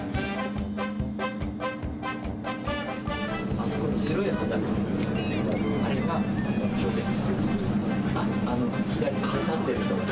あそこの白い旗がありますが、あれが目標です。